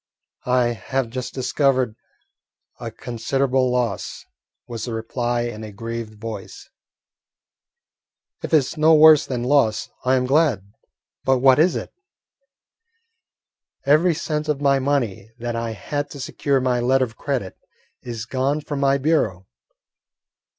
"I have just discovered a considerable loss," was the reply in a grieved voice. "If it is no worse than loss, I am glad; but what is it?" "Every cent of money that I had to secure my letter of credit is gone from my bureau."